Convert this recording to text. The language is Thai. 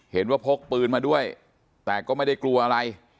พกปืนมาด้วยแต่ก็ไม่ได้กลัวอะไร